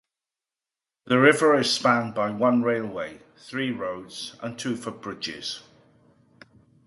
The river is spanned by one railway, three roads and two footbridges.